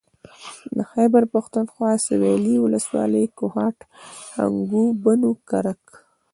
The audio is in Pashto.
د خېبر پښتونخوا سوېلي ولسوالۍ کوهاټ هنګو بنو کرک